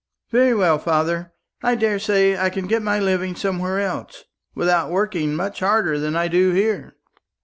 "Very well, father; I daresay I can get my living somewhere else, without working much harder than I do here."